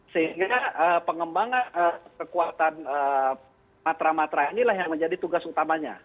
sehingga pengembangan kekuatan matra matra inilah yang menjadi tugas utamanya